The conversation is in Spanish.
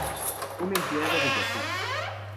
Un empleado de Yahoo!